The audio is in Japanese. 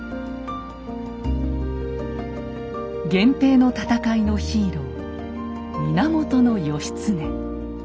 源平の戦いのヒーロー源義経。